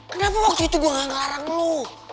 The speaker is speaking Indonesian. kenapa waktu itu gue gak ngelarang lo